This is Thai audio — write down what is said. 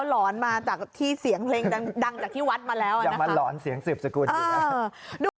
หลอนมาจากที่เสียงเพลงดังจากที่วัดมาแล้วอ่ะยังมาหลอนเสียงสืบสกุลอีกนะ